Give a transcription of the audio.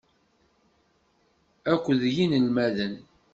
Akked yinelmaden.